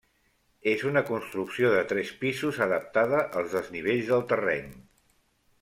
És una construcció de tres pisos adaptada als desnivells del terreny.